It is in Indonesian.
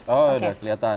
oh udah kelihatan